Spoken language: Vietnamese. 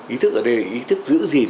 ý thức ở đây là ý thức giữ gìn